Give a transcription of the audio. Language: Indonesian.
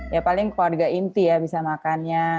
ya paling keluarga inti ya bisa makannya